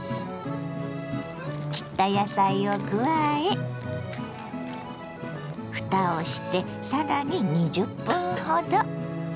切った野菜を加えふたをしてさらに２０分ほど。